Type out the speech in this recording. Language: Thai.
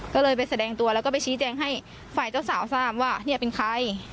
ก็เลยไปแสดงตัวแล้วก็ไปชี้แจงให้ฝ่ายเจ้าสาวทราบว่าเนี่ยเป็นใคร